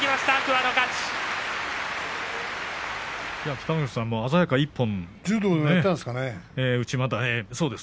北の富士さん、鮮やか一本。